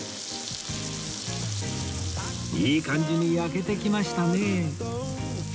いい感じに焼けてきましたね